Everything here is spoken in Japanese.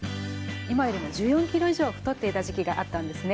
今よりも１４キロ以上太っていた時期があったんですね。